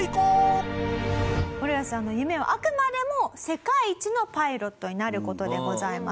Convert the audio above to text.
ムロヤさんの夢はあくまでも世界一のパイロットになる事でございます。